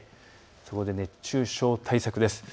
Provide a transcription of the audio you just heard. そこで熱中症対策です。